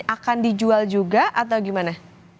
akan dijual juga atau gimana